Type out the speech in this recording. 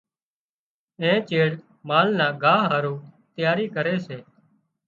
اين چيڙ مال نا ڳاهَ هارُو تياري ڪري سي۔